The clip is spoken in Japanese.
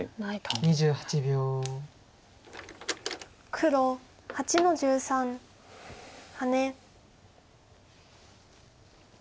黒８の十三ハネ。